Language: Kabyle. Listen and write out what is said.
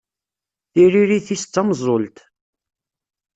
Tiririt-is d tameẓẓult.